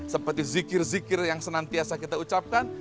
seperti zikir zikir yang senantiasa kita ucapkan